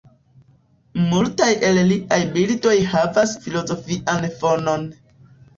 Multaj el liaj bildoj havas filozofian fonon.